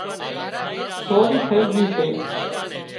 سوري ٿئي جھئي سي